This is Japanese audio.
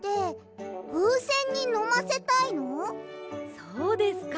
そうですか。